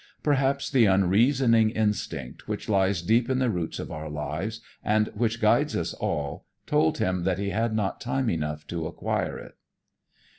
Perhaps the unreasoning instinct which lies deep in the roots of our lives, and which guides us all, told him that he had not time enough to acquire it.